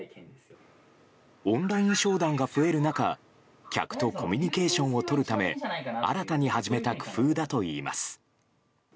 オンライン商談が増える中客とコミュニケーションを取るため新たに始めた工夫だといいます。